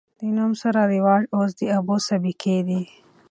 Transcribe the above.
د نوم سره رواج اوس د ابو د سابقې دے